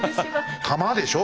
玉でしょ。